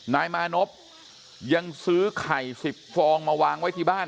นายมานพยังซื้อไข่๑๐ฟองมาวางไว้ที่บ้าน